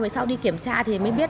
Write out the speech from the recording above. vậy sau đi kiểm tra thì mới biết